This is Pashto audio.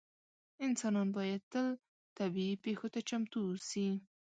انسانان باید تل طبیعي پېښو ته چمتو اووسي.